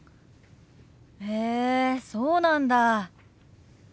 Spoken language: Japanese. へえそうなんだ。